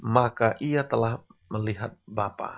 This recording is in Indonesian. maka ia telah melihat bapak